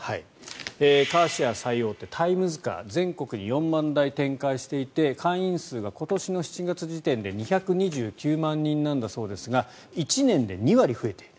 カーシェア大手タイムズカー全国に４万台展開していて会員数が今年の７月時点で２２９万人なんだそうですが１年で２割増えている。